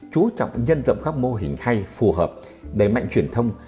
chú trọng nhân rộng các mô hình hay phù hợp đẩy mạnh truyền thông